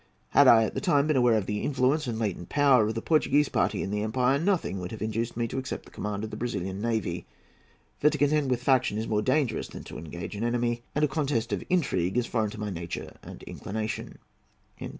Had I, at the time, been aware of the influence and latent power of the Portuguese party in the empire, nothing would have induced me to accept the command of the Brazilian navy; for to contend with faction is more dangerous than to engage an enemy, and a contest of intrigue is foreign to my nature and inclination."